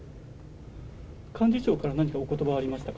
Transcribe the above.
幹事長から何かおことばはありましたか？